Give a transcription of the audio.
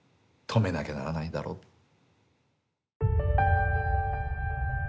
止めなきゃならないだろうと。